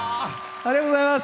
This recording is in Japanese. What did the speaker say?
ありがとうございます。